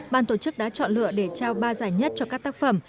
ban tổ chức đã chọn lựa để trao ba giải nhất cho các tác phẩm